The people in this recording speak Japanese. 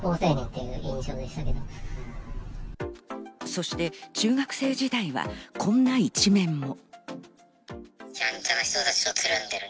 そして中学生時代は、こんな一面も。